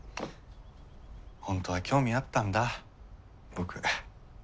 本当は興味あったんだ僕。